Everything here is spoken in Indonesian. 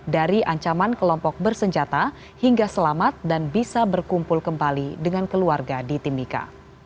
dari ancaman kelompok bersenjata hingga selamat dan bisa berkumpul kembali dengan keluarga di timika